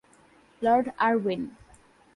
Lord Irwin